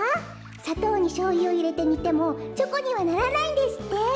さとうにしょうゆをいれてにてもチョコにはならないんですって！